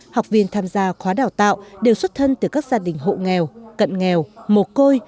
học viên tham gia khóa đào tạo đều xuất thân từ các gia đình hộ nghèo cận nghèo mồ côi